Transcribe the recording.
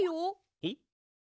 えっ！？